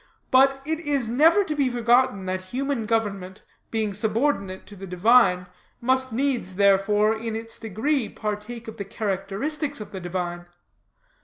But it is never to be forgotten that human government, being subordinate to the divine, must needs, therefore, in its degree, partake of the characteristics of the divine.